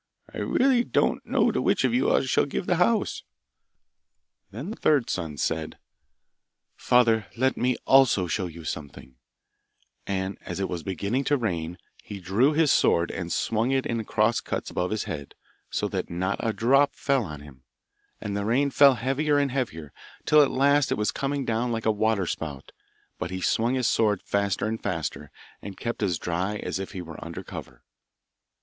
I really don't know to which of you I shall give the house.' Then the third son said, 'Father, let me also show you something;' and, as it was beginning to rain, he drew his sword and swung it in cross cuts above his head, so that not a drop fell on him, and the rain fell heavier and heavier, till at last it was coming down like a waterspout, but he swung his sword faster and faster, and kept as dry as if he were under cover.